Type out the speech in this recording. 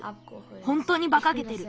ほんとにばかげてる。